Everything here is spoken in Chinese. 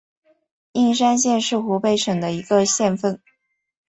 应山县是湖北省的一个县份。